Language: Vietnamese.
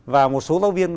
và một số giáo viên